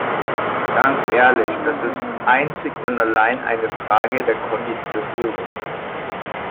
Ganz ehrlich, das ist einzig und allein eine Frage der Konditionierung.